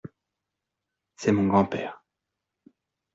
C’est mon grand-père.